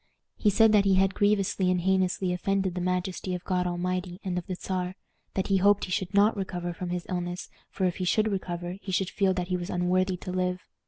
He said that he had grievously and heinously offended the majesty of God Almighty and of the Czar; that he hoped he should not recover from his illness, for if he should recover he should feel that he was unworthy to live.